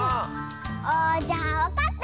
あじゃあわかった！